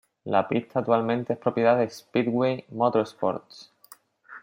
La pista actualmente es propiedad de Speedway Motorsports.